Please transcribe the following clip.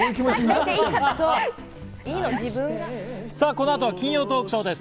この後は金曜トークショーです。